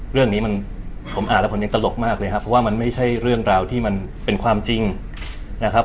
เรื่องนี้มันผมอ่านแล้วผมยังตลกมากเลยครับเพราะว่ามันไม่ใช่เรื่องราวที่มันเป็นความจริงนะครับ